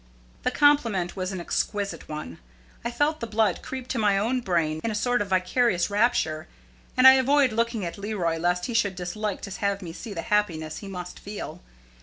The compliment was an exquisite one. I felt the blood creep to my own brain in a sort of vicarious rapture, and I avoided looking at Leroy lest he should dislike to have me see the happiness he must feel.